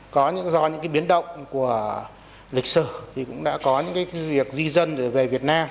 có do những biến động của lịch sử thì cũng đã có những việc di dân về việt nam